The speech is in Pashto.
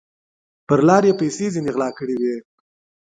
پر لار یې پیسې ځیني غلا کړي وې